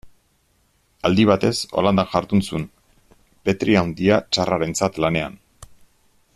Aldi batez Holandan jardun zuen, Petri Handia tsarrarentzat lanean.